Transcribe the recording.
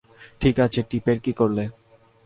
ঠিক আছে, টিপের কী করলে?